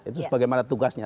itu sebagaimana tugasnya